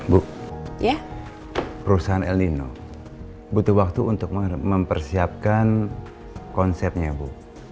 bu ya perusahaan el nino butuh waktu untuk mempersiapkan konsepnya bu